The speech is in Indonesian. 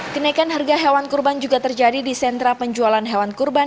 kenaikan harga hewan kurban juga terjadi di sentra penjualan hewan kurban